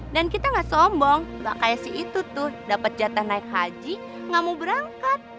dan kita gak sombong bakal kayak si itu tuh dapet jatah naik haji gak mau berangkat